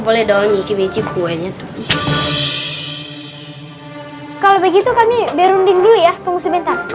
boleh dong ngici ngici kuenya tuh kalau begitu kami berunding dulu ya tunggu sebentar ya ya